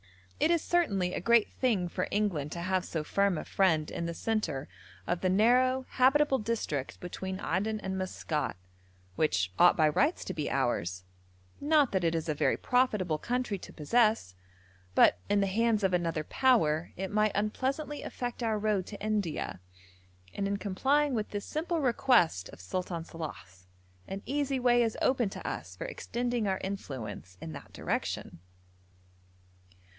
It is certainly a great thing for England to have so firm a friend in the centre of the narrow habitable district between Aden and Maskat, which ought by rights to be ours, not that it is a very profitable country to possess, but in the hands of another power it might unpleasantly affect our road to India, and in complying with this simple request of Sultan Salàh's an easy way is open to us for extending our influence in that direction.